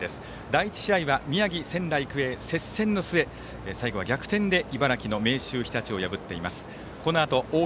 第１試合は宮城、仙台育英、接戦の末最後は逆転で茨城の明秀日立を破っています。